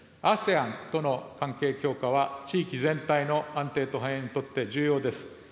ＡＳＥＡＮとの関係強化は、地域全体の安定と繁栄にとって重要です。